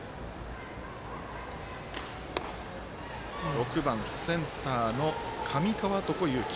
６番センターの上川床勇希。